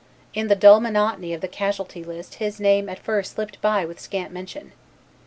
In the dull monotony of the casualty list his name at first slipped by with scant mention.